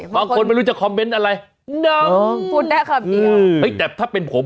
บางคนไม่รู้จะคอมเมนต์อะไรน้องพูดได้คำนี้เฮ้ยแต่ถ้าเป็นผม